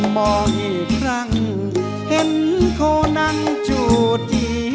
มองอีกครั้งเห็นเขานั้นจูดดี